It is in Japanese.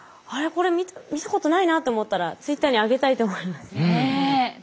これ見たことないなと思ったらツイッターに上げたいと思います。